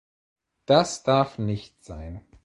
Das darf nicht sein.